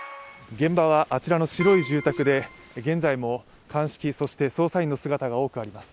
現場はあちらの白い住宅で現在も鑑識、そして捜査員の姿が多くあります。